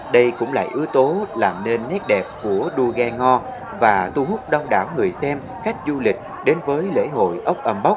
đây cũng là ưu tố làm nên nét đẹp của đua gai ngò và tu hút đông đảo người xem khách du lịch đến với lễ hội ốc âm bốc